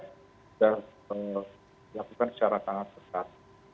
sudah dilakukan secara sangat ketat